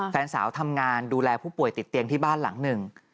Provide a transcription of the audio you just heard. แฟนสาวทำงานดูแลผู้ป่วยติดเตียงที่บ้านหลังหนึ่ง